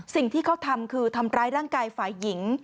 สิ่งที่เขาทำคือทำร้ายร่างกายฝ่ายหญิง